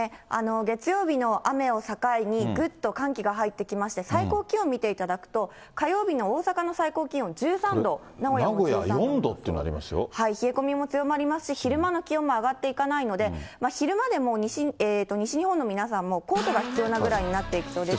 月曜日の雨を境に、ぐっと寒気が入ってきまして、最高気温見ていただくと、名古屋、冷え込みも強まりますし、昼間の気温も上がっていかないので、昼間でも西日本の皆さん、コートが必要なぐらいになっていきそうです。